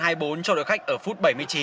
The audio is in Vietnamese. còn hai bốn cho đội khách ở phút bảy mươi chín